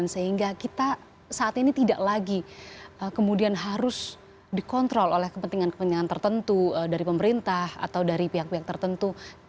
sehingga kita saat ini tidak lagi kemudian harus dikontrol oleh kepentingan kepentingan tertentu dari pemerintah atau dari pihak pihak tertentu